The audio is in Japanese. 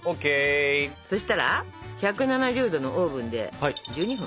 そしたら１７０℃のオーブンで１２分。